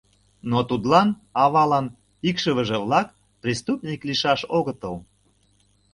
Но тудлан, авалан, икшывыже-влак преступник лийшаш огытыл.